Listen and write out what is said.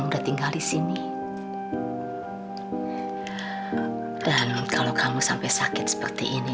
dan kalau kamu sampai sakit seperti ini